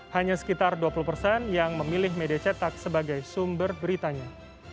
hanya sekitar dua puluh persen yang memilih media cetak sebagai sumber beritanya